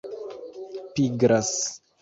pigras